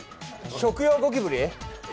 食用ゴキブリ？